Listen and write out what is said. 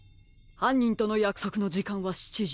はんにんとのやくそくのじかんは７じ。